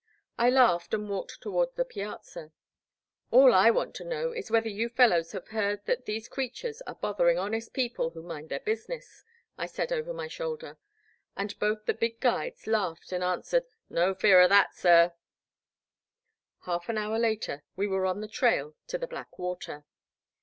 I laughed and walked toward the piazza. " All I want to know is whether you fellows have heard that these creatures are bothering The Black Water. 167 honest people who mind their business/' I said over my shoulder ; and both the big guides laughed, and answered No fear o' that sir !Half an hour later we were on the trail to the Black Water.